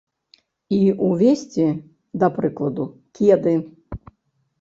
І ўвесці, да прыкладу, кеды?